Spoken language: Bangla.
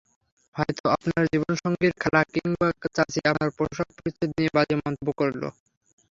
হয়তো আপনার জীবনসঙ্গীর খালা কিংবা চাচি আপনার পোশাক-পরিচ্ছদ নিয়ে বাজে মন্তব্য করল।